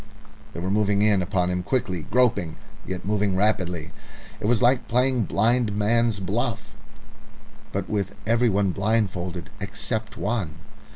They were moving in upon him quickly, groping, yet moving rapidly. It was like playing blind man's buff, with everyone blindfolded except one.